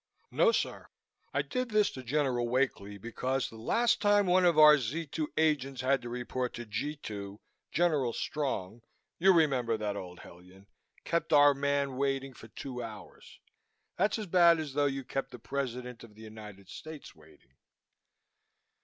"No, sir! I did this to General Wakely because the last time one of our Z 2 agents had to report to G 2, General Strong you remember that old hellion kept our man waiting for two hours. That's as bad as though you kept the President of the United States waiting."